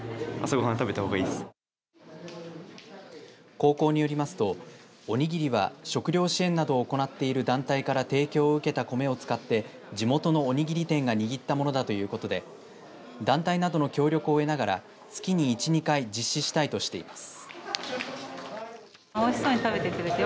高校によりますとおにぎりは食糧支援などを行っている団体から提供を受けた米を使って地元のおにぎり店が握ったものだということで団体などの協力を得ながら月に１、２回実施したいとしています。